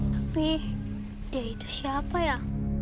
tapi dia itu siapa ya